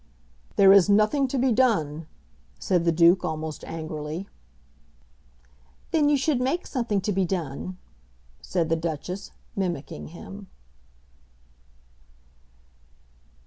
"There is nothing to be done," said the Duke almost angrily. "Then you should make something to be done," said the Duchess, mimicking him.